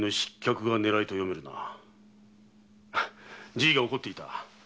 じいが怒っていた。